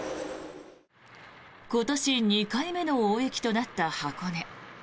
今年２回目の大雪となった箱根。